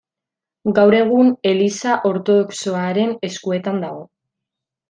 Gaur egun Eliza Ortodoxoaren eskuetan dago.